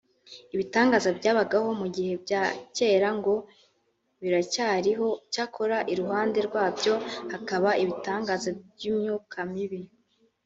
Ibitangaza byabagaho mu bihe bya kera ngo biracyariho cyakora iruhande rwabyo hakaba ibitangaza by’imyuka mibi